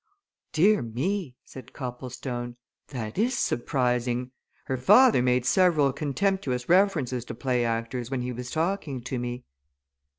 "Dear me!" said Copplestone. "That is surprising! Her father made several contemptuous references to play actors when he was talking to me."